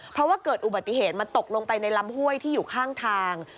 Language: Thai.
เพราะว่าเกิดอุบัติเหตุมาตกลงไปในลำห้วยที่อยู่ข้างทาง